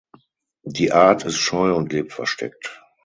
Die Art ist scheu und lebt versteckt.